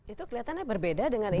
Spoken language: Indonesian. itu kelihatannya berbeda dengan itu